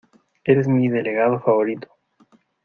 Eres mi delegado favorito.